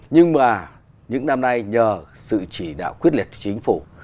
nhưng mà những năm nay nhờ sự chỉ đạo quyết liệt của chính phủ